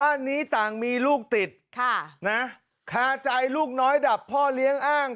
บ้านนี้ต่างมีลูกติดค่ะนะคาใจลูกน้อยดับพ่อเลี้ยงอ้าง